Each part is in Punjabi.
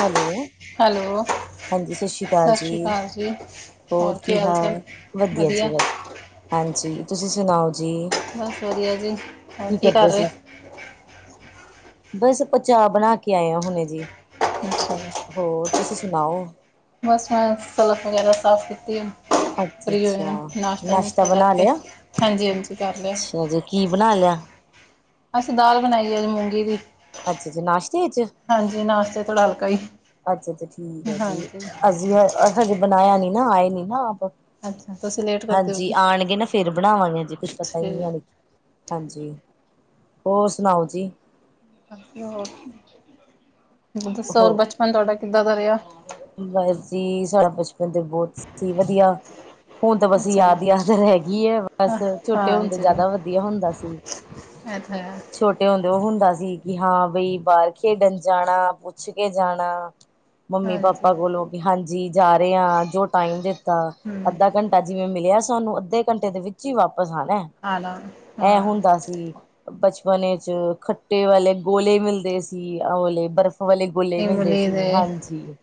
ਹੈਲੋ ਹੈਲੋ ਹਾਂਜੀ ਸਤਿ ਸ਼੍ਰੀ ਅਕਾਲ ਜੀ ਹੋਰ ਕੀ ਹਾਲ ਵਧੀਆ ਜੀ ਵਧੀਆ ਹਾਂਜੀ ਤੁਸੀਂ ਸੁਣਾਓ ਜੀ ਬਸ ਵਧੀਆ ਜੀ ਹੋਰ ਕੀ ਕਰ ਕਰਦੇ ਰਹੇ ਸੀ ਬਸ ਪਚਾਅ ਬਣਾ ਕੇ ਆਏ ਆ ਹੁਣੇ ਜੀ ਅੱਛਾ ਹੋਰ ਤੁਸੀਂ ਸੁਣਾਓ ਬਸ ਮੈਂ ਸਲਫ ਵਗੈਰਾ ਸਾਫ ਕੀਤੀ ਅੱਛਾ ਫ੍ਰੀ ਅੱਛਾ ਹੋਏ ਨਾਸ਼ਤਾ ਨੂਸ਼ਤਾ ਬਣਾ ਕਰਕੇ ਲਿਆ ਹਾਂਜੀ ਹਾਂਜੀ ਕਰ ਲਿਆ ਅੱਛਾ ਜੀ ਕੀ ਬਣਾ ਲਿਆ ਅਸੀਂ ਦਾਲ ਬਣਾਈ ਅੱਜ ਮੂੰਗੀ ਦੀ ਅੱਛਾ-ਅੱਛਾ ਨਾਸ਼ਤੇ ਚ ਹਾਂਜੀ ਨਾਸਤੇ ਥੋੜਾ ਹਲਕਾ ਈ। ਅੱਛਾ-ਅੱਛਾ ਠੀਕ ਆ ਜੀ ਅਸੀਂ ਹਜੇ ਬਣਾਇਆ ਨੀ ਨਾ ਆਏ ਨੀ ਨਾ ਆਪ ਅੱਛਾ ਤੁਸੀਂ ਲੇਟ ਕਰਦੇ ਹੋ ਹਾਂਜੀ ਕੀ ਆਣਗੇ ਨਾ ਫੇਰ ਬਣਾਵਾਂਗੇ ਜੀ ਕੁੱਛ ਪਤਾ ਈ ਨੀ ਠੀਕ ਹਲੇ ਹਾਂਜੀ ਹੋਰ ਸੁਣਾਓ ਜੀ? ਹੋਰ ਦੱਸੋ ਹੋਰ ਹੋ ਬਚਪਨ ਤੁਆਡਾ ਕਿੱਦਾਂ ਦਾ ਰੇਆ? ਬਸ ਜੀ ਸਾਡਾ ਬਚਪਨ ਤੇ ਬੋਤ ਸੀ ਵਧੀਆ। ਹੁਣ ਤਾਂ ਬਸ ਅੱਛਾ ਜੀ ਯਾਦ-ਯਾਦ ਰੈ ਗੀ ਏ ਬਸ ਹਾਂ ਛੋਟੇ ਹੁੰਦੇ ਜਾਦਾ ਵਧੀਆ ਹੁੰਦਾ ਸੀ। ਐ ਤਾਂ ਹੈ। ਛੋਟੇ ਹੁੰਦੇ ਓ ਹੁੰਦਾ ਸੀ ਕਿ ਹਾਂ ਬਈ ਬਾਹਰ ਖੇਡਣ ਜਾਣਾ ਪੁੱਛ ਕੇ ਜਾਣਾ ਹਾਂਜੀ ਮੰਮੀ-ਪਾਪਾ ਕੋਲੋਂ ਕਿ ਹਾਂਜੀ ਜਾ ਰੇ ਆਂ ਜੋ ਟਾਈਮ ਦੇ ਤਾਂ ਹਮ ਅੱਧਾ ਘੰਟਾ ਜਿਵੇਂ ਮਿਲਿਆ ਸਾਨੂੰ ਅੱਧੇ ਘੰਟੇ ਦੇ ਵਿੱਚ ਈ ਵਾਪਿਸ ਆਣਾ। ਆਲਾ ਐਂ ਹਾਂ ਹੁੰਦਾ ਸੀ। ਬਚਪਨ ਚ ਖੱਟੇ ਵਾਲੇ ਗੋਲੇ ਮਿਲਦੇ ਸੀ ਆਵਂਲੇ ਬਰਫ਼ ਵਾਲੇ ਗੋਲੇ ਮਿਲਦੇ ਇਮਲੀ ਸੀ ਦੇ ਹਾਂਜੀ।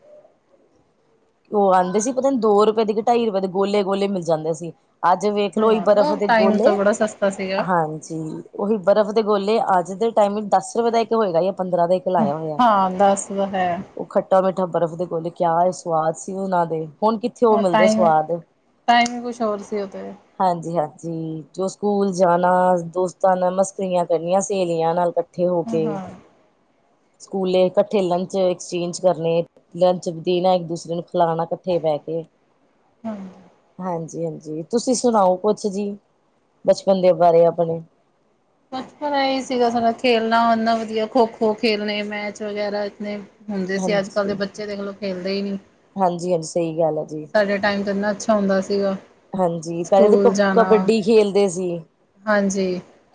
ਓ ਆਂਦੇ ਸੀ ਪਤਾ ਨੀ ਦੋ ਰੁਪਏ ਦੇ ਕੇ‌ ਢਾਈ ਰੁਪੇ ਦੇ ਗੋਲੇ- ਗੋਲੇ ਮਿਲ ਜਾਂਦੇ ਸੀ। ਅੱਜ ਵੇਖਲੋ ਓਈ ਹਾਂ ਬਰਫ਼ ਉਹ ਦੇ ਟਾਈਮ ਤਾਂ ਗੋਲੇ ਬੜਾ ਸਸਤਾ ਸੀਗਾ। ਹਾਂਜੀ ਉਈ ਬਰਫ਼ ਦੇ ਗੋਲੇ ਅੱਜ ਦੇ ਟਾਈਮ ਵਿੱਚ ਦਸ ਰੁਪੇ ਦਾ ਇੱਕ ਹੋਏਗਾ ਆ ਪੰਦਰਾਂ ਦਾ ਇਕ ਹਾਂ ਦੱਸ ਦਾ ਹੈ। ਓ ਖੱਟਾ-ਮਿੱਠਾ ਬਰਫ਼ ਦੇ ਗੋਲੇ ਕੇਆ ਈ ਸਵਾਦ ਸੀ ਓਨਾਂ ਦੇ। ਹੁਣ ਕਿੱਥੇ ਓ ਉਹ ਮਿਲਦੇ ਟਾਈਮ ਸਵਾਦ ਟਾਈਮ ਕੁਛ ਹੋਰ ਸੀ ਉਹ ਤੇ ਹਾਂਜੀ-ਹਾਂਜੀ ਜੋ ਸਕੂਲ ਜਾਣਾ ਦੋਸਤਾਂ ਨਾਲ ਮਸਕਰੀਆਂ ਕਰਨੀਆਂ ਸਹੇਲੀਆਂ ਨਾਲ ਇਕੱਠੇ ਹੋ ਹਾਂ ਕੇ ਹਾਂ ਸਕੂਲੇ ਇਕੱਠੇ ਲੰਚ ਐਕਸਚੇਂਜ ਕਰਨੇ। ਲੰਚ ਵਤੀਣਾ ਇੱਕ ਦੂਸਰੇ ਨੂੰ ਖਲਾਣਾ ਇਕੱਠੇ ਬੈ ਕੇ, ਹਾਂਜੀ। ਹਾਂਜੀ-ਹਾਂਜੀ ਤੁਸੀਂ ਸੁਣਾਓ ਕੁਛ ਜੀ ਬਚਪਨ ਦੇ ਬਾਰੇ ਅਪਣੇ ਬਚਪਨ ਐਈ ਸੀਗਾ ਸਡਾ ਖੇਲਣਾ ਏਨਾ ਵਧੀਆ ਖੋ-ਖੋ ਖੇਲਣੇ ਮੈਚ ਵਗੈਰਾ ਇਤਨੇ ਹੁੰਦੇ ਸੀ ਅੱਜ-ਕੱਲ ਹਾਂਜੀ ਦੇ ਬੱਚੇ ਦੇਖਲੋ ਖੇਲਦੇ ਈ ਨੀ, ਹਾਂਜੀ ਹਾਂਜੀ ਸਹੀ ਗੱਲ ਹੈ ਜੀ ਸਾਡੇ ਟਾਈਮ ਤੇ ਇਨਾਂ ਅੱਛਾ ਤਾਂ ਹੁੰਦਾ ਸੀਗਾ। ਹਾਂਜੀ ਪੈਲੇ ਤਾਂ ਸਕੂਲ ਕ ਜਾਣਾ ਕਬੱਡੀ ਖੇਲਦੇ ਸੀ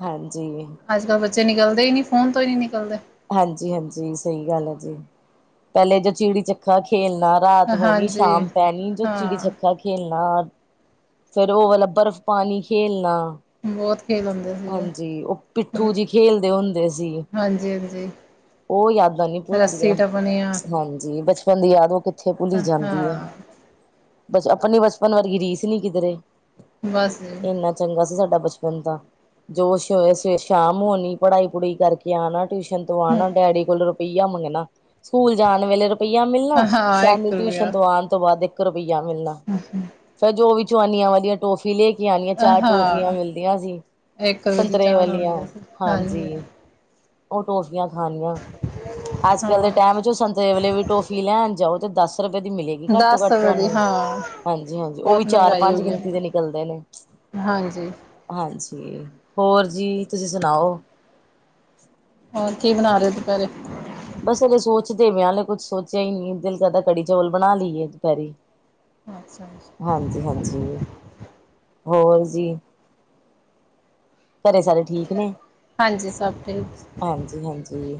ਹਾਂਜੀ। ਅੱਜ-ਕੱਲ ਬੱਚੇ ਨਿਕਲਦੇ ਈ ਨੀ ਫੋਨ ਤੋਂ ਈ ਨੀ ਨਿਕਲਦੇ। ਹਾਂਜੀ-ਹਾਂਜੀ ਸਈ ਗੱਲ ਐ ਜੀ ਪੈਲੇ ਜੇ ਚਿੜੀ-ਛੱਖਾ ਖੇਲਣਾ ਰਾਤ ਹੋਣੀ ਹਾਂਜੀ ਸ਼ਾਮ ਪੈਣੀ ਜੋ ਹਾਂ ਚਿੜੀ-ਛੱਕਾ ਖੇ ਖੇਲਣਾ ਫੇਰ ਓ ਵਾਲਾ ਬਰਫ਼ ਪਾਨੀ ਖੇਲਣਾ। ਬੋਤ ਖੇਲ ਹੁੰਦ ਹਾਂਜੀ ਓ ਪਿੱਠੂ ਜੀ ਖੇਲਦੇ ਹੁੰਦੇ ਸੀ। ਹਾਂਜੀ-ਹਾਂਜੀ। ਓ ਯਾਦਾਂ ਨੀ ਪੁਲਦੀਆਂ ਆ ਹਾਂਜੀ ਬਚ ਬਚਪਨ ਦੀ ਯਾਦ ਓ ਕਿੱਥੇ ਪੁੱਲੀ ਜਾਂਦੀ ਏ ਹਾਂ ਬਸ ਅਪਣੀ ਬਚਪਨ ਵਰਗੀ ਰੀਸ ਨੀ ਕਿੱਧਰੇ। ਬਸ ਜੀ ਏਨਾ ਚੰਗਾ ਸੀ ਸਾਡਾ ਬਚਪਨ ਤਾਂ। ਜੋ ਸ ਸ਼ਾਮ ਹੋਣੀ ਪੜ੍ਹਾਈ-ਪੜੂਈ ਕਾਰਕੇ ਆਣਾ ਟਿਊਸ਼ਨ ਤੋਂ ਆਣਾ ਡੈਡੀ ਕੋਲ ਰੁਪਈਆ ਮੰਗਣਾ ਸਕੂਲ ਜਾਣ ਵੇਲੇ ਰੁਪਈਆ ਮਿਲਣਾ ਹਾਂ ਇੱਕ ਸ਼ਾਮੀ ਟਿਊਸ਼ਨ ਤੋਂ ਆਣ ਤੋਂ ਬਾਅਦ ਏਕ ਰਪ ਇੱਕ਼਼ ਰਪਯਾ ਮਿਲਣਾ। ਹੂੰ-ਹੂੰ। ਫਿਰ ਜੋ ਵੀ ਚਵਾਨੀਆਂ ਵਾਲ ਦੀਆ ਟੋਫੀ ਲੈ ਕੇ ਆਣੀਆਂ ਚਾਰ ਟੋਫੀਆਂ ਹਾਂ ਮਿਲਦੀਆਂ ਸੀ। ਇੱਕ ਰੁਪਏ ਦੀ ਸੰਤਰੇ ਚਾਰ ਵਾਲੀਆਂ ਆਉਂਦੀ ਸੀ ਹਾਂਜੀ ਓ ਟੋਫੀਆਂ ਖਾਣੀਆਂ। ਅੱਜ ਕੱਲ ਦੇ ਹਾਂ ਟੈਮ ਚ ਸੰਤਰੇ ਵਲੇ ਵੀ ਟੋਫੀ ਲੈਣ ਜਾਓ ਤੇ ਦਸ ਰੁਪਏ ਦੀ ਮਿਲੇਗੀ। ਘੱਟ ਤੋਂ ਦਸ ਘੱਟ ਰੁਪਏ ਦੀ ਤੁਆਨੂੰ। ਹਾਂ ਹਾਂਜੀ ਹਾਂਜੀ ਓ ਵੀ ਬਹੁਤ ਚਾਰ ਮਹਿੰਗਾਈ ਹੋ ਪੰਜ ਗਈ ਗਿਨਤੀ ਦੇ ਨਿਕਲਦੇ ਨੇ। ਹਾਂਜੀ। ਹਾਂਜੀ ਹੋਰ ਜੀ ਤੁਸੀ ਸੁਨਾਓ। ਹੋਰ ਕੀ ਬਣਾ ਰੇ ਓ ਦੁਪੈਰੇ? ਬਸ ਹਲੇ ਸੋਚਦੇ ਵੇਆ ਹਲੇ ਕੁੱਛ ਸੋਚੇਆ ਈ ਨਈ ਦਿਲ ਕਰਦਾ ਕੜੀ ਚੋਲ ਬਣਾ ਲਈਏ ਦੁਪੈਰੀ। ਅੱਛਾ ਅਛਾ। ਜੀ ਹਾਂਜੀ ਹੋਰ ਜੀ। ਘਰੇ ਸਾਰੇ ਠੀਕ ਨੇ? ਹਾਂਜੀ ਸਭ ਠੀਕ। ਹਾਂਜੀ ਹਾਂਜੀ,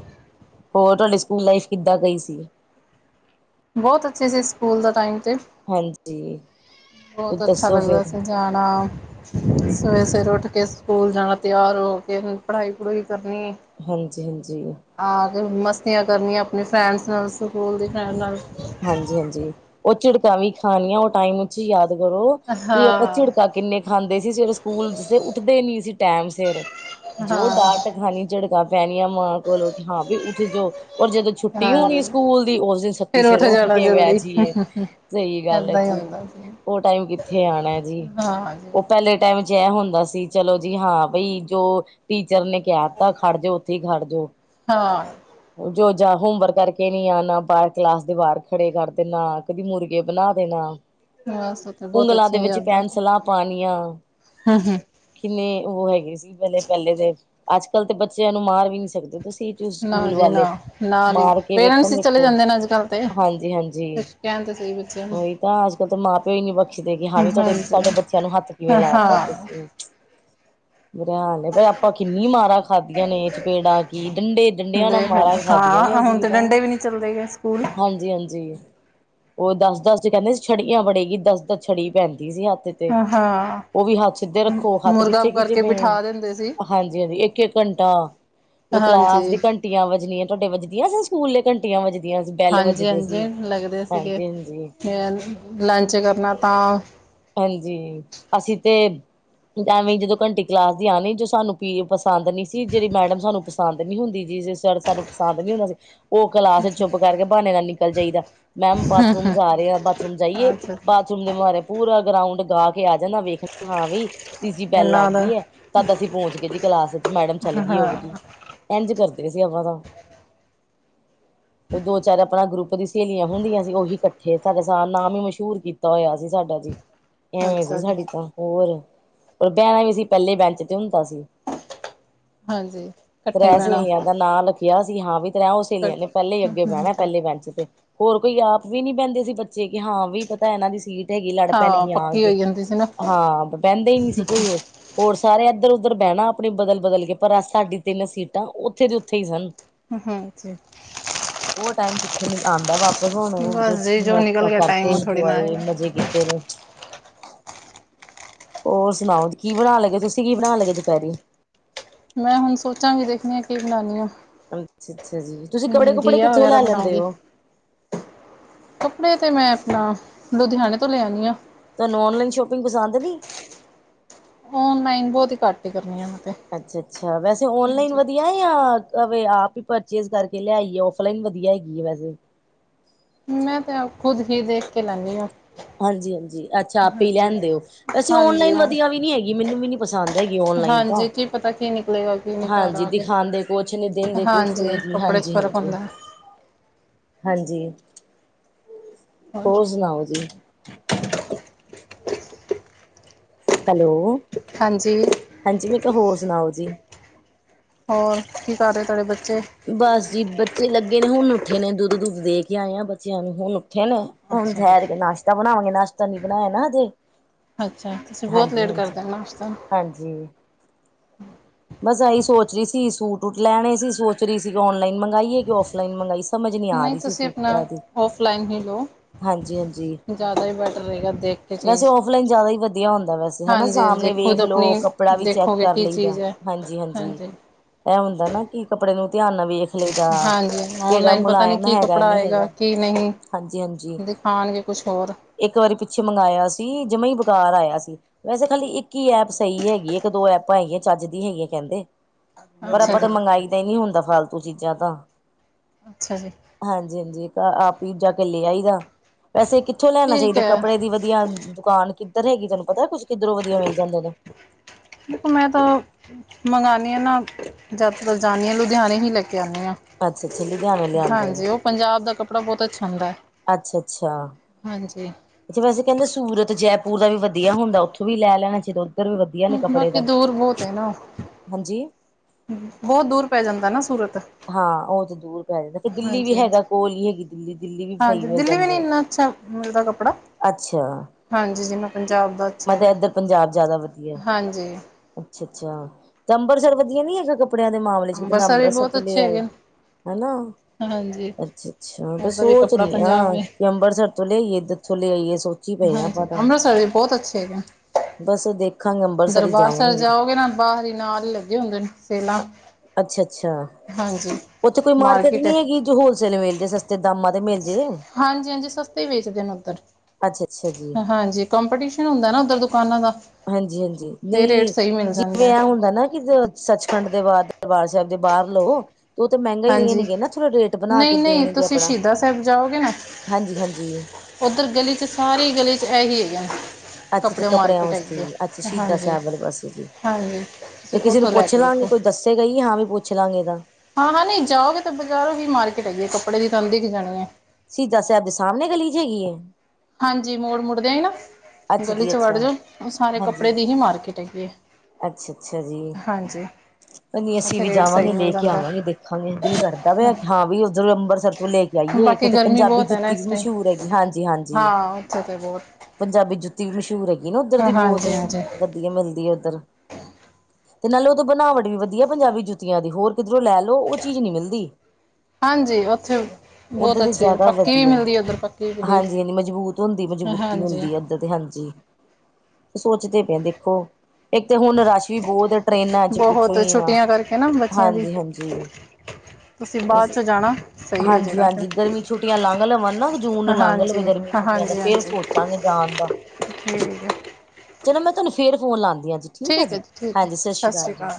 ਹੋਰ ਤੁਆਡੀ ਸਕੂਲ ਲਾਈਫ ਕਿੱਦਾਂ ਗਈ ਸੀ? ਬੋਤ ਅੱਛੇ ਸੀ ਸਕੂਲ ਦਾ ਟਾਈਮ ਤੇ। ਹਾਂਜੀ, ਕੁਝ ਬਹੁਤ ਅੱਛਾ ਦੱਸੋ ਫੇਰ। ਲੱਗਦਾ ਸੀ ਜਾਣਾ ਸਵੇਰੇ ਸਵੇਰੇ ਉੱਠ ਕੇ ਸਕੂਲ ਜਾਣਾ ਤੇਆਰ ਹੋ ਕੇ ਫੇਰ ਪੜ੍ਹਾਈ ਪੜੂਈ ਕਰਨੀ। ਹਾਂਜੀ-ਹਾਂਜੀ। ਆ ਕੇ ਮਸਤੀਆਂ ਕਰਨੀਆਂ ਅਪਣੇ ਫਰੈਂਡਸ ਨਾਲ ਸਕੂਲ ਦੀ ਫੈ੍ਂਡ ਨਾਲ। ਹਾਂਜੀ ਹਾਂਜੀ, ਓ ਝਿੜਕਾਂ ਵੀ ਖਾਨੀਆਂ, ਓ ਟਾਈਮ ਚ ਯਾਦ ਕਰੋ ਕਿ ਆਪਾਂ ਹਾਂ ਝਿੜਕਾ ਕਿੰਨੇ ਖਾਂਦੇ ਸੀ। ਸਵੇਰੇ ਸਕੂਲ ਚ ਉੱਠਦੇ ਨੀ ਸੀ ਟੈਮ ਸਿਰ। ਜੋ ਹਾਂ ਡਾਂਟ ਖਾਣੀ ਝਿੜਕਾਂ ਪੈਣੀਆਂ ਮਾਂ ਕੋਲੋਂ ਕਿ ਹਾਂ ਵੀ ਉੱਠ ਜਓ ਔਰ ਜਦੋਂ ਛੁੱਟੀ ਹੋਣੀ ਹਾਂਜੀ ਸਕੂਲ ਦੀ ਉਸ ਦਿਨ ਸ ਤੀ ਫੇਰ ਸਵੇਰੇ ਉੱਠ ਜਾਣਾ ਕੇ ਵੈ ਜਲਦੀ ਜੀਏ ਸਈ ਗੱਲ ਐ ਏਦਾਂ ਹੀ ਜੀ। ਹੁੰਦਾ ਸੀ ਓ ਟਾਈਮ ਕਿਥੇ ਆਣਾ ਜੀ। ਹਾਂ ਜੀ ਓ ਪੈਲੇ ਟੈਮ ਚ ਐ ਹੁੰਦਾ ਸੀ ਚਲੋ ਜੀ ਹਾਂ ਬਈ ਜੋ ਟੀਚਰ ਨੇ ਕੈ ਤਾ ਖੜ ਜੋ ਓਥੇ ਈ ਖੜ ਜਓ। ਹਾਂ। ਜੋ ਜਾ ਹੋਮਵਰਕ ਕਰਕੇ ਨੀ ਆਣਾ ਪਾਠ ਕਲਾਸ ਦੇ ਬਾਰ ਖੜੇ ਕਰ ਦੇਨਾ ਕਦੀ ਮੁਰਗੇ ਬਣਾ ਦੇਣਾ। ਬਸ ਉੱਥੇ ਬਹੁਤ ਉਂਗਲਾਂ ਦੇ ਅੱਛੀਆਂ ਵਿੱਚ ਯਾਦਾਂ ਸੀ। ਪੈਨਸਲਾਂ ਪਾਨੀਆਂ। ਹੂੰ ਹੂੰ ਕਿੰਨੇ ਓ ਹੈਗੇ ਸੀ ਪੈਲੇ ਪੈਲੇ ਦੇ। ਅੱਜ ਕੱਲ ਤੇ ਬੱਚੇਆਂ ਨੂੰ ਮਾਰ ਵੀ ਨੀ ਸ ਸਕਦੇ ਤੁਸੀ ਨਾ ਸਕੂਲ ਜੀ ਨਾ ਵਾਲੇ। ਨਾਲ ਹੀ ਮਾਰ ਕੇ ਪੇਰੈਂਟਸ ਹੀ ਵੇਖਨ ਇਕ ਚਲੇ ਵ ਜਾਂਦੇ ਨੇ ਅੱਜ ਕੱਲ੍ਹ ਤੇ ਹਾਂਜੀ ਹਾਂਜੀ, ਕੁਛ ਕਹਿਣ ਤੇ ਸਹੀ ਬੱਚਿਆਂ ਨੂੰ ਓਈ ਤਾਂ ਅੱਜ ਕੱਲ੍ਹ ਤਾਂ ਮਾਂ ਪੇਓ ਈ ਨੀ ਬਖਸ਼ਦੇ ਕਿ ਹਾਂ ਵੀ ਸਾਡੇ ਹਾਂਜੀ ਸਾਡੇ ਬਚੇ ਬੱਚੇਆਂ ਨੂੰ ਹੱਥ ਕਿਵੇਂ ਲਾਤਾ ਹਾਂ ਤੁਸੀ। ਬੁਰੇ ਹਾਲ ਆਪਾਂ ਕਿੰਨੀ ਮਾਰਾਂ ਖਾਧੀਆਂ ਨੇ ਚਪੇੜਾਂ ਕੀ ਡੰਡੇ ਡੰਡੇਆਂ ਨਾਲ ਦੇਖ ਲੋ, ਮਾਰਾਂ ਖਾਧੀਆਂ ਨੇ ਹਾਂ ਹੁਣ ਅਸੀ ਤੇ ਤਾਂ। ਡੰਡੇ ਵੀ ਨਹੀਂ ਚੱਲਦੇ ਗਏ ਸਕੂਲ। ਹਾਂਜੀ ਹਾਂਜੀ। ਓ ਦੱਸ ਦਸ ਚ ਕੈਂਦੇ ਸੀ ਛੜੀਆਂ ਵੜੇਗੀ। ਦਸ ਦਸ ਛੜੀ ਪੈਂਦੀ ਸੀ ਹੱਥ ਏਚ। ਤੇ ਹਾਂ ਓ ਵੀ ਹੱਥ ਸਿੱਧੇ ਰੱਖੋ। ਹੱਥ ਮੁਰਗਾ ਪਿੱਛੇ ਕਰਕੇ ਖਿੱਚਨੇ, ਬਿਠਾ ਦਿੰਦੇ ਸੀ ਹਾਂਜੀ ਹਾਂਜੀ ਏਕ ਏਕ ਘੰਟਾ, ਕਲਾਸ ਹਾਂਜੀ, ਦੀ ਘੰਟ ਘੰਟੀਆਂ ਵਜਨੀਆਂ। ਤੁਆਡੇ ਵੱਜਦੀਆਂ ਸੀ ਸਕੂਲੇ ਘੰਟੀਆਂ ਵਜਦੀਆਂ ਸੀ। ਬੈਲ ਹਾਂਜੀ, ਵੱਜਦੇ ਸੀ। ਹਾਂਜੀ ਲੱਗਦੇ ਸੀਗੇ। ਹਾਂਜੀ ਹਾਂਜੀ। ਲੰਚ ਕਰਨਾ ਤਾਂ ਹਾਂਜੀ, ਅਸੀ ਤੇ ਐਵੇਂ ਈ ਜਦੋਂ ਘੰਟੀ ਕਲਾਸ ਦੀ ਆਣੀ ਜੋ ਸਾਨੂੰ ਪੀ ਪਸੰਦ ਨੀ ਸੀ ਜੇੜੀ ਮੈਡਮ ਸਾਨੂੰ ਪਸੰਦ ਨੀ ਹੁੰਦੀ ਜਿਸ ਸਰ ਸਾਨੂੰ ਪਸੰਦ ਨੀ ਹੁੰਦਾ ਸੀ ਓ ਕਲਾਸ ਏਚ ਚੁੱਪ ਕਰਕੇ ਬਾਨੇ ਨਾਲ ਨਿਕਲ ਜਾਈਦਾ। ਮੈਮ ਬਾਥਰੂਮ ਜਾ ਰੇ ਆਂ ਬਾਥਰੂਮ ਜਾਈਏ। ਅੱਛਾ ਬਾਥ ਦੇ ਮਾਰੇ ਪੂਰਾ ਗਰਾਉਂਡ ਗਾ ਕੇ ਆ ਜਾਨਾ ਵੇਖਣਾ ਹਾਂ ਵੀ ਤੀਜੀ ਬੈੱਲ ਆ ਇਹਨਾਂ ਦਾ ਗਈ ਐ ਤਦ ਅਸੀਂ ਪਹੁੰਚਗੇ ਸੀ ਕਲਾਸ ਵਿੱਚ ਮੈਡਮ ਚੱਲੇ ਗੀ ਉਹ ਵਾਲੀ। ਹਾਂ ਇੰਝ ਕਰਦੇ ਸੀ ਆਪਾਂ ਤਾਂ ਉਹ ਦੋ ਚਾਰ ਆਪਣਾ ਗਰੁੱਪ ਦੀ ਸਹੇਲੀਆਂ ਹੁੰਦੀਆਂ ਸੀ ਉਹੀ ਇਕੱਠੇ, ਸਾਡਾ ਨਾਮ ਈ ਮਸ਼ਹੂਰ ਕੀਤਾ ਹੋਇਆ ਸੀ ਸਾਡਾ ਐਵੇਂ ਸੀ ਅੱਛਾ ਜੀ ਸਾਡੀ ਤਾਂ ਹੋਰ ਪਰ ਬਹਿਣਾ ਵੀ ਅਸੀ ਪੈਲੇ ਬੈਂਚ ਤੇ ਹੁੰਦਾ ਸੀ। ਹਾਂਜੀ ਇਕੱਠਾ ਹੀ ਤ੍ਰੈ ਬਹਿਣਾ ਸਹੇਲੀਆਂ ਦਾ ਨਾਂ ਲਿਖਿਆ ਸੀ ਹਾਂ ਵੀ ਤ੍ਰੈਓ ਸਹੇਲੀਆਂ ਨੇ ਪੈਲੇ ਈ ਅੱਗੇ ਬਹਿਣਾ ਪੈਲੇ ਬੈਂਚ ਤੇ ਹੋਰ ਕੋਈ ਆਪ ਵੀ ਨੀ ਬਹਿੰਦੇ ਸੀ ਬੱਚੇ ਕਿ ਹਾਂ ਵੀ ਪਤੈ ਇਹਨਾਂ ਦੀ ਸੀਟ ਹੈਗੀ ਆ ਹਾਂ ਪੱਕੀ ਆਣਗੇ ਹੋਈ ਜਾਂਦੀ ਸੀ ਨਾ ਹਾਂ ਬਹਿੰਦੇ ਹੀ ਨਈ ਸੀ ਕੋਈ ਹੋਰ ਹੋਰ ਸਾਰੇ ਇੱਧਰ ਉਧਰ ਬਹਿਣਾ ਆਪਣੀ ਬਦਲ ਬਦਲ ਕੇ, ਪਰ ਸਾਡੀ ਤਿੰਨ ਸੀਟਾਂ ਉੱਥੇ ਦੇ ਉੱਥੇ ਹੀ ਸਨ। ਹ ਹਮ ਹਾਂਜੀ। ਉਹ ਟਾਈਮ ਕਿੱਥੇ ਆਂਦੈ ਵਾਪਸ ਹੁਣ ਜੇ ਬਸ ਜੀ ਜੋ ਨਿਕਲ ਗਿਆ ਕਰਤੇ ਟਾਈਮ ਉਹ ਥੋੜ੍ਹੀ ਨਾ ਇੰਜਵਾਏ ਆਏਗਾ ਮਜ਼ੇ ਕੀਤੇ ਹੋਰ ਸੁਣਾਓ, ਕੀ ਬਣਾ ਲਗੇ, ਤੁਸੀਂ ਕੀ ਬਣਾਣ ਲੱਗੇ ਦੁਪਹਿਰੀ? ਮੈਂ ਹੁਣ ਸੋਚਾਂਗੀ ਦੇਖਣੀ ਆ ਕੀ ਬਣਾਨੀ ਆ। ਅੱਛਾ ਅੱਛਾ ਜੀ, ਤੁਸੀਂ ਕੱਪੜੇ ਹਮ ਕੁੱਪੜੇ ਘੀਆ ਕਿੱਥੋ ਵਗੈਰਾ ਲੈ ਲੈਂਦੇ ਬਣਾਉਂਗੀ ਓ? ਕੱਪੜੇ ਤੇ ਮੈਂ ਆਪਣਾ ਲੁਧਿਆਣੇ ਤੋਂ ਲੈਉਣੀ ਆਂ। ਤੁਆਨੂੰ ਔਨਲਾਈਨ ਸ਼ੋਪਿੰਗ ਪਸੰਦ ਨੀ ਔਨਲਾਈਨ ਬੋਤ ਈ ਘੱਟ ਈ ਕਰਨੀ ਆ ਮੈਂ ਤੇ ਅੱਛਾ ਅੱਛਾ ਵੈਸੇ ਔਨਲਾਈਨ ਹਾਂਜੀ ਵੀ ਨਈ ਆ ਆਪ ਹੀ ਪਰਚੇਜ ਕਰਕੇ ਲਿਆਈਏ ਔਫਲਾਈਨ ਵਧੀਆ ਹੈਗੀ ਏ ਵੈਸੇ ਮੈਂ ਤੇ ਆਪ ਖੁਦ ਚੀਜ ਦੇਖ ਕੇ ਲੈਂਨੀ ਆਂ। ਹਾਂਜੀ ਹਾਂਜੀ! ਅੱਛਾ ਆਪੇ ਹੀ ਲੈਣਦੇ ਓ ਵੈਸੇ ਹਾਂਜੀ ਔਨਲਾਈਨ ਹਾਂ, ਵਧੀਆ ਵੀ ਨੀ ਹੈਗੀ ਮੈਨੂੰ ਵੀ ਨੀ ਪਸੰਦ ਹੈਗੀ ਔਨਲਾਈਨ, ਹਾਂਜੀ ਕੀ ਪਤਾ ਕੀ ਨਿਕਲੇਗਾ ਕੀ ਨਹੀਂ ਘਰ ਹਾਂਜੀ ਆ ਕੇ। ਦਿਖਾਂਦੇ ਕੁਛ ਨੇ ਦਿੰਦੇ ਦੇ ਕੁਛ ਨੇ ਹਾਂਜੀ ਜੀ ਕੱਪੜੇ 'ਚ ਹਾਂਜੀ ਫ਼ਰਕ ਹਾਂਜੀ ਹੁੰਦਾ ਹਾਂਜੀ ਹੋਰ ਸੁਣਾਓ ਜੀ ਹੈਲੋ ਹਾਂਜੀ ਹਾਂਜੀ ਮੈਂ ਕ ਹੋਰ ਸੁਣਾਓ ਜੀ ਹੋਰ ਕੀ ਕਰ ਰੇ ਤੁਹਾਡੇ ਬੱਚੇ ਬਸ ਜੀ, ਬੱਚੇ ਲੱਗੇ ਨੇ ਹੁਣ ਉੱਠੇ ਨੇ, ਦੁੱਧ ਦੁੱਧ ਦੇ ਕੇ ਆਏ ਆਂ ਬੱਚਿਆਂ ਨੂੰ ਹੁਣ ਹੁਣ ਅੱਛਾ ਜੀ, ਠੈਰ ਕੇ ਨਾਸ਼ਤਾ ਬਣਾਵਾਗੇ, ਨਾਸ਼ਤਾ ਨੀ ਬਣਾਇਆ ਨਾ ਹਜੇ। ਅੱਛਾ ਤੁਸੀਂ ਬੋਤ ਲੇਟ ਕਰਦੇ ਓ ਨਾਸ਼ਤਾ ਹਾਂਜੀ। ਬਸ ਇਹੀ ਸੋਚ ਰੀ ਸੀ, ਸੂਟੂ ਵੂਟ ਲੈਣੇ ਸੀ, ਸੋਚ ਰਹੀ ਸੀ ਕਿ ਔਨਲਾਈਨ ਮੰਗਾਈਈਏ ਕਿ ਔਫਲਾਈਨ ਮੰਗਾਈਏ ਅਸੀਂ ਸਮਝ ਨੀ ਆ ਨਹੀਂ ਰੀ ਸੀ ਤੁਸੀਂ ਆਪਣਾ ਸੁਟਾਂ ਦੀ। ਔਫਲਾਈਨ ਹੀ ਲਓ ਹਾਂਜੀ ਹਾਂਜੀ, ਜ਼ਿਆਦਾ ਹੀ ਬੈਟਰ ਰਹੇਗਾ ਦੇਖ ਕੇ ਵੈਸੇ ਚੀਜ਼। ਔਫਲਾਈਨ ਜ਼ਿਆਦਾ ਹੀ ਵਧੀਆ ਹੁੰਦੈ ਵੈਸੇ ਹਨਾ ਹਾਂਜੀ-ਹਾਂਜੀ ਸਾਹਮਣੇ ਵੇਖ ਖੁਦ ਲੋ, ਆਪਣੀ ਕੱਪੜਾ ਵੀ ਚੈੱਕ ਦੇਖੋਗੇ ਕਰ ਕੀ ਲਈ ਦਾ। ਚੀਜ਼ ਹੈ। ਹਾਂਜੀ ਹਾਂਜੀ, ਇਹ ਹੁੰਦਾ ਨਾ ਕਿ ਕੱਪੜੇ ਨੂੰ ਧਿਆਨ ਨਾਲ ਵੇਖ ਲਈਦਾ ਹਾਂਜੀ, ਕਿਹੜਾ ਔਨਲਾਈਨ ਪਤਾ ਨੀ ਮੁਲਾਇਮ ਕੀ ਹੈਗਾ ਕੱਪੜਾ ਨਹੀਂ ਆਏਗਾ, ਹੈਗਾ ਕੀ ਨਈ। ਹਾਂਜੀ ਹਾਂਜੀ। ਦਿਖਾਣਗੇ ਕੁਛ ਹੋਰ ਇੱਕ ਵਾਰੀ ਪਿੱਛੇ ਮੰਗਾਇਆ ਸੀ, ਜਮਾ ਹੀ ਬਕਾਰ ਆਇਆ ਸੀ। ਵੈਸੇ ਖਾਲੀ ਇੱਕ ਹੀ ਐਪ ਸਈ ਹੈਗੀ ਏ, ਇੱਕ ਦੋ ਐਪਾਂ ਹੈਗੀਆਂ ਚੱਜ ਦੀ ਹੈਗੀ ਆ ਕਹਿੰਦੇ, ਪਰ ਅੱਛਾ ਆਪਾਂ ਜੀ ਤਾਂ ਮੰਗਾਈ ਦਾ ਈ ਨੀ ਹੁੰਦਾ ਫਾਲਤੂ ਚੀਜ਼ਾਂ ਤਾਂ ਅੱਛਾ ਜੀ। ਹਾਂਜੀ ਹਾਂਜੀ, ਆਪ ਈ ਜਾ ਕੇ ਲੇ ਆਈਦਾ, ਵੈਸੇ ਕਿੱਥੋਂ ਲੈਣਾ ਠੀਕ ਚਾਹੀਦਾ ਹੈ ਕੱਪੜੇ ਦੀ ਵਧੀਆ ਵਧੀਆ ਦੁਕਾਨ ਕਿੱਧਰ ਹੈਗੀ, ਤੁੈਨੂੰ ਪਤਾ ਕੁੱਝ ਕਿੱਧਰੋਂ ਵਧੀਆ ਮਿਲ ਜਾਂਦੇ ਨੇ। ਦੇਖੋ, ਮੈਂ ਤਾ ਮੰਗਾਨੀ ਹਾਂ ਨਾ ਜਦ ਜਾਂਣੀ ਆ, ਲੁਧਿਆਣੇ ਹੀ ਲੈ ਕੇ ਆਨੇ ਹਾਂ। ਅੱਛਾ ਅੱਛਾ, ਲੁਧਿਆਣੇ ਲਿਆਂਉਂਦੇ ਆ। ਹਾਂਜੀ ਉਹ ਪੰਜਾਬ ਦਾ ਕੱਪੜਾ ਬਹੁਤ ਅੱਛਾ ਹੁੰਦਾ ਹੈ। ਅੱਛਾ ਅੱਛਾ। ਹਾਂਜੀ। ਅੱਛੇ, ਵੈਸੇ ਕਹਿੰਦੇ ਸੂਰਤ ਜੈਪੁਰ ਦਾ ਵੀ ਵਧੀਆ ਹੁੰਦਾ, ਉੱਥੋਂ ਵੀ ਲੈ ਲੈਣਾ ਚਾਹੀਦਾ। ਇੱਧਰ ਵੀ ਵਧੀਆ ਨੇ ਕੱਪੜੇ ਬਾਕੀ ਤਾ ਦੂਰ ਬਹੁਤ ਹੈ ਨਾ ਹਾਂਜੀ। ਬਹੁਤ ਦੂਰ ਪੈ ਜਾਂਦਾ ਨਾ ਸੂਰਤ ਹਾਂ, ਉਹ ਤੇ ਦੂਰ ਪੈ ਜਾਂਦਾ ਫਿਰ ਦਿੱਲੀ ਹਾਂਜੀ ਵੀ ਹੈਗਾ ਹਾਂਜੀ ਕੋਲ ਹੀ ਹੈਗੀ ਦਿੱਲੀ ਦਿੱਲੀ, ਵੀ ਸਹੀ ਹਾਂਜੀ ਮਿਲ ਦਿੱਲੀ ਵੀ ਜਾਂਦੇ ਨਹੀਂ ਨੇ। ਇੰਨਾ ਅੱਛਾ ਮਿਲਦਾ ਕੱਪੜਾ ਹਾਂਜੀ, ਜਿਵੇ ਪੰਜਾਬ ਦਾ ਅੱਛਾ ਮੈਂ ਤਾਂ ਹੈਗਾ ਇੱਧਰ ਪੰਜਾਬ ਜ਼ਿਆਦਾ ਵਧੀਆ ਹਾਂਜੀ। ਅੱਛਾ ਅੱਛਾ, ਤੇ ਅੰਮ੍ਰਤਸਰ ਵਧੀਆ ਨੀ ਹੈਗਾ ਕੱਪੜਿਆਂ ਦੇ ਮਾਮਲੇ ਚ ਬੰਦਾ ਵੀ ਅੰਮ੍ਰਿਤਸਰ ਬਹੁਤ ਤੋਂ ਲੈ ਅੱਛੇ ਆਏ। ਹੈਗੇ ਨੇ ਹਨਾ, ਹਾਂਜੀ ਅੱਛਾ ਅੱਛਾ, ਤੇ ਉੱਧਰ ਵੀ ਸੋਚ ਕੱਪੜਾ ਰਹੀ ਪੰਜਾਬ ਹ ਵੀ ਕਿ ਅੰਮ੍ਰਿਤਸਰ ਕਿਥੋਂ ਲਿਆਈਏ ਕਿਥੋਂ ਲਿਆਈਏ ਸੂਟ ਹਾਂਜੀ ਅੰਮ੍ਰਿਤਸਰ ਵੀ ਬਹੁਤ ਅੱਛੇ ਹੈਗੇ ਬਸ ਦੇਖਾਂਗੇ ਹੈ ਅੰਬਰਸਰ ਹੀ ਦਰਬਾਰ ਸਾਹਿਬ ਜਾਵਾਂਗੇ ਜਾਓਗੇ ਨਾ, ਬਾਹਰੀ ਨਾਲ ਹੀ ਲੱਗੇ ਹੁੰਦੇ ਨੇ ਸੇਲਾਂ ਅੱਛਾ ਅੱਛਾ। ਹਾਂਜੀ। ਉੱਥੇ ਕੋਈ ਮਾਰਕੀਟ ਨਹੀਂ ਹੈਗੀ, ਜੋ ਹੋਲਸੇਲ ਮਿਲ ਜਾਏ ਸਸਤੇ ਦਾਮਾਂ ਦੇ ਮਿਲ ਜੇ ਹਾਂਜੀ ਹਾਂਜੀ, ਸਸਤੇ ਵੇਚਦੇ ਨੇ ਉੱਧਰ ਅੱਛਾ ਅੱਛਾ ਜੀ ਹਾਂਜੀ। ਕੰਪੀਟੀਸ਼ਨ ਹੁੰਦਾ ਨਾ ਉੱਧਰ ਦੁਕਾਨਾਂ ਦਾ। ਹਾਂਜੀ ਹਾਂਜੀ, ਤੇ ਰੇਟ ਨਹੀਂ ਸਹੀ ਮਿਲ ਜਾਂਦਾ ਜਿਵੇਂ ਹੈ ਆ ਹੁੰਦਾ ਨਾ ਕਿ ਸੱਚਖੰਡ ਦੇ ਬਾਹਰ, ਦਰਬਾਰ ਸਾਹਿਬ ਦੇ ਬਾਹਰ ਲਓ ਤੇ ਉਹ ਤਾਂ ਮਹਿੰਗਾ ਹੀ ਹਾਂਜੀ ਰਹਿਣਗੇ ਨਾ, ਥੋੜ੍ਹਾ ਰੇਟ ਬਣਾ ਕੇ ਨਹੀਂ ਨਹੀਂ ਦੇਣਗੇ ਤੁਸੀਂ ਆਪਣਾ! ਸ਼ਹੀਦਾ ਸਾਹਿਬ ਹਾਂਜੀ ਹਾਂਜੀ। ਓਦਰ ਗਲੀ ਚ ਸਾਰੇ ਗਲੀ ਚ ਇਹੀ ਹੈਗੇ ਨੇ। ਅੱਛਾ ਅੱਛਾ, ਕੱਪੜੇ ਕੱਪੜਿਆਂ ਮਾਰਕੀਟ ਵਾਸਤੇ ਹੈਗੀ ਜੀ, ਅੱਛਾ ਹੈ ਸ਼ਹੀਦਾਂ ਹਾਂਜੀ ਸਾਹਿਬ ਵਾਲੇ ਪਾਸੇ ਜੀ। ਹਾਂਜੀ ਤੇ ਤੁਸੀਂ ਕਿਸੇ ਨੂੰ ਉੱਥੋਂ ਲੈ ਪੁੱਛ ਕੇ ਲਾਂਗੀ ਦੇਖੋ ਕੋਈ ਦੱਸੇਗਾ ਈ ਹਾਂ ਵੀ ਪੁੱਛ ਲਾਂਗੇ ਇਹਦਾ ਹਾਂ ਹਾਂ, ਨਹੀਂ ਜਾਓਗੇ ਤਾਂ ਬਾਜ਼ਾਰੋਂ ਹੀ ਮਾਰਕੀਟ ਹੈਗੀ ਹੈ, ਕੱਪੜੇ ਦੀ ਤੁਹਾਨੂੰ ਦਿੱਖ ਜਾਣੀ ਏ। ਸ਼ਹੀਦ ਸਾਹਿਬ ਦੇ ਸਾਹਮਣੇ ਗਲੀ ਚ ਹੈਗੀ ਹੈ। ਹਾਂਜੀ, ਮੋੜ ਮੁੜਦਿਆਂ ਹੀ ਨਾ, ਅੱਛਾ ਗਲੀ ਜੀ ਚ ਵੜ ਅੱਛਾ ਜਾਓ ਉਹ ਸਾਰੇ ਕੱਪੜੇ ਹਾਂਜੀ ਦੀ ਹੀ ਮਾਰਕੀਟ ਹੈਗੀ ਹੈ। ਅੱਛਾ ਅੱਛਾ ਜੀ ਹਾਂਜੀ ਨ ਅਸੀਂ ਉੱਥੇ ਵੀ ਰੇਟ ਸਹੀ ਜਾਵਾਂਗੇ ਲੈ ਮਿਲ ਕੇ ਜਾਂਦਾ ਆਵਾਂਗੇ ਦੇਖਾਂਗੇ ਦਿਲ ਕਰਦਾ ਪਿਆ ਕਿ ਹਾਂ ਵੀ ਉਧਰ ਅੰਬਰਸਰ ਤੋਂ ਲੈ ਕੇ ਆਈਏ ਬਾਕੀ ਇੱਕੋ ਤੇ ਗਰਮੀ ਪੰਜਾਬੀ ਬਹੁਤ ਹੈ ਨਾ ਜੁੱਤੀ ਵੀ ਇਸ ਟਾਈਮ ਮਸ਼ਹੂਰ ਹੈਗੀ ਹਾਂਜੀ ਹਾਂਜੀ ਹਾਂ ਅੱਛਾ ਤੇ ਬਹੁਤ ਪੰਜਾਬੀ ਜੁੱਤੀ ਵੀ ਮਸ਼ਹੂਰ ਹੈਗੀ ਨਾ ਉੱਧਰ ਦੀ ਬਹੁਤ ਹਾਂਜੀ ਹਾਂਜੀ ਵੀ ਮਿਲਦੀ ਹੈ ਉੱਧਰ ਤੇ ਨਾਲੇ ਉਹਦੋਂ ਬਣਾਵਟ ਵੀ ਵਧੀਆ ਪੰਜਾਬੀ ਜੁੱਤੀਆਂ ਦੀ ਹੋਰ ਕਿੱਧਰੋਂ ਲੈ ਲ ਉਹ ਚੀਜ਼ ਨਹੀਂ ਮਿਲਦੀ ਹਾਂਜੀ ਉੱਥੇ ਉੱਧਰ ਬਹੁਤ ਦੀ ਅੱਛੇ ਜ਼ਿਆਦਾ ਪੱਕੀ ਵੀ ਮਿਲਦੀ ਹੈ ਉੱਧਰ ਪੱਕੀ ਇੱਕ ਦੇ ਧਦੀ ਮਜ਼ਬੂਤੀ ਮਿਲਦੀ ਇੱਦਾਂ ਤੇ ਹਾਂਜੀ ਸੋਚਦੇ ਪਏ ਦੇਖੋ ਇੱਕ ਤਾਂ ਹੁਣ ਰਸ਼ ਵੀ ਬਹੁਤ ਹੈ ਟਰੇਨਾਂ ਅੱਜ ਪੁੱਛੋ ਬਹੁਤ ਹੀ ਆ ਛੁੱਟੀਆਂ ਕਰਕੇ ਨਾ ਬੱਚਿਆਂ ਦੀ ਹਾਂਜੀ ਹਾਂਜੀ ਤੁਸੀਂ ਬਾਅਦ ਚੋਂ ਜਾਣਾ ਸਹੀ ਹੋ ਹਾਂਜੀ ਜਾਏਗਾ ਫਿਰ ਹਾਂਜੀ ਗਰਮੀ ਛੁੱਟੀਆਂ ਲੰਘ ਲਵਾਂ ਨਾ ਜੂਨ ਲੰਘ ਹਾਂਜੀ ਲਵੇ ਗਰਮੀ ਛੁੱਟੀਆਂ ਦਾ ਫੇਰ ਸੋਚਾਂਗੇ ਜਾਣ ਦਾ। ਹਠੀ [inaudible] ਚਲੋ ਮੈਂ ਤੁਹਾਨੂੰ ਫੇਰ ਫੋਨ ਲਾਉਦੀਾਂ ਜੀ ਠੀਕ ਹੈ ਜੀ, ਹਾਂਜੀ ਸਤਿ ਸ਼੍ਰੀ ਅਕਾਲ ਜੀ।